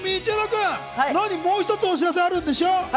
君、もう一つお知らせがあるんでしょ？